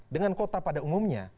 dengan kota pada umumnya